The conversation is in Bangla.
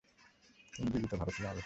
তুমি জীবিত, ভারত লাল।